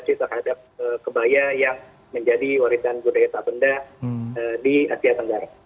proteksi terhadap kebaya yang menjadi warisan budaya sabenda di asia tenggara